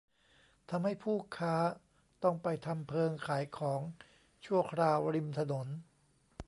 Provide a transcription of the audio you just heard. ทำให้ผู้ค้า ต้องไปทำเพิงขายของชั่วคราวริมถนน